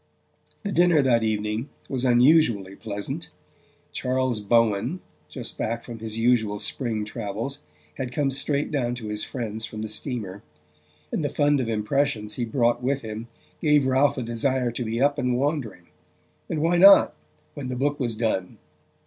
The dinner that evening was unusually pleasant. Charles Bowen, just back from his usual spring travels, had come straight down to his friends from the steamer; and the fund of impressions he brought with him gave Ralph a desire to be up and wandering. And why not when the book was done?